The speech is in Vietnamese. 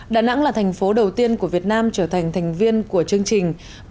đà nẵng là thành phố đầu tiên của việt nam trở thành thành viên của chương trình